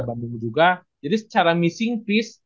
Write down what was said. bandung juga jadi secara missing peace